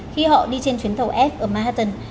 khi họ đi trên chuyến tàu f ở manhattan